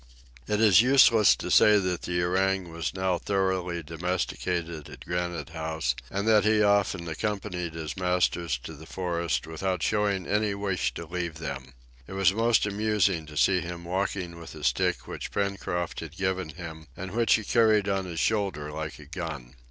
It is useless to say that the orang was now thoroughly domesticated at Granite House, and that he often accompanied his masters to the forest without showing any wish to leave them. It was most amusing to see him walking with a stick which Pencroft had given him, and which he carried on his shoulder like a gun.